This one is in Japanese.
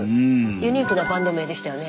ユニークなバンド名でしたよね。